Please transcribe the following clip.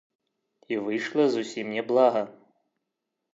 І выйшла зусім не блага.